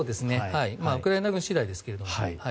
ウクライナ軍次第ですけど。